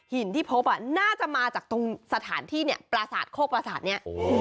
หินที่พบน่าจะมาจากตรงประศาจโคกปราศาสตร์เนี่ย